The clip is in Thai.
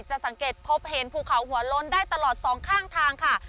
สังเกตพบเห็นภูเขาหัวล้นได้ตลอดสองข้างทางค่ะ